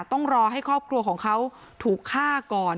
ต้องรอให้ครอบครัวของเขาถูกฆ่าก่อน